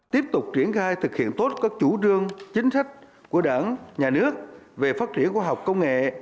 tiếp tục triển khai thực hiện tốt các chủ trương chính sách của đảng nhà nước về phát triển khoa học công nghệ